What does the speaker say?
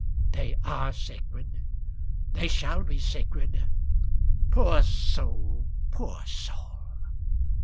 "They are sacred. They shall be sacred. Poor soul, poor soul!"